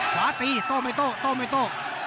ขวาตีโต้ไม่โต้โต้ไม่โต้